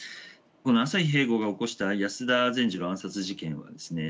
この朝日平吾が起こした安田善次郎暗殺事件はですね